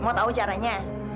mau tahu caranya